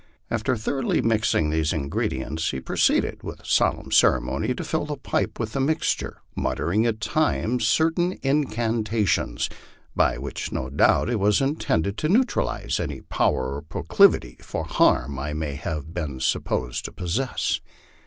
After thoroughly mixing these ingredients, he proceeded with solemn cere mony to fill the pipe with the mixture, muttering at times certain incantations, by which no doubt it was intended to neutralize any power or proclivity for harm I may have been supposed to possess.